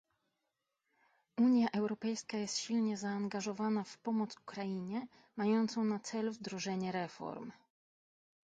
Unia Europejska jest silnie zaangażowana w pomoc Ukrainie mającą na celu wdrożenie reform